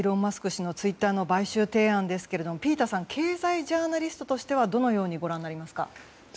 氏のツイッターの買収提案ですが、ピーターさん経済ジャーナリストとしてはどのようにご覧になりますか？